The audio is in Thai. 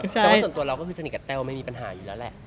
แต่ว่าส่วนตัวเราก็คือสนิทกับแต้วไม่มีปัญหาอยู่แล้วแหละ